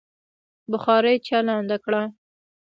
بخارۍ چالانده کړه.